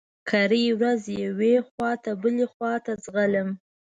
کرۍ ورځ يوې خوا ته بلې خوا ته ځلم.